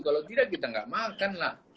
kalau tidak kita nggak makan lah